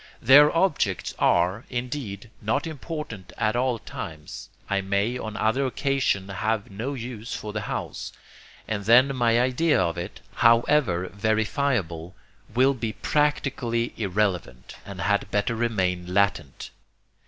Their objects are, indeed, not important at all times. I may on another occasion have no use for the house; and then my idea of it, however verifiable, will be practically irrelevant, and had better remain latent.